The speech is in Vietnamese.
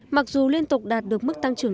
mặc dù liên tục đạt được mức tăng trưởng